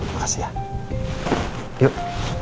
makasih ya yuk